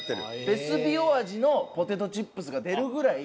ベスビオ味のポテトチップスが出るぐらい。